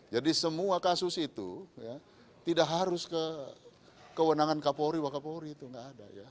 jadi semua kasus itu tidak harus ke kewenangan kapori wakapori itu gak ada ya